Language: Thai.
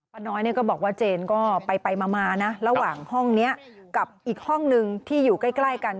น้อยก็บอกว่าเจนก็ไปมานะระหว่างห้องนี้กับอีกห้องนึงที่อยู่ใกล้กัน